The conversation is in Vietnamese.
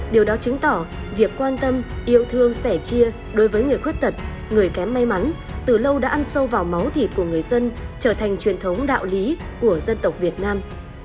điều đó chứng tỏ việc quan tâm yêu thương sẻ chia đối với người khuyết tật người kém may mắn từ lâu đã ăn sâu vào máu thịt của người dân trở thành truyền thống đạo lý của dân tộc việt nam